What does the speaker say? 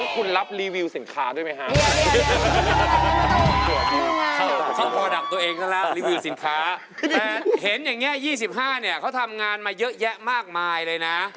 แต่เห็นอย่างนี้๒๕เนี่ยเขาทำงานมาเยอะแยะมากมายเลยนะ